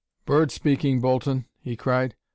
"Bird speaking, Bolton," he cried.